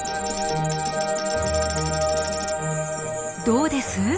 どうです？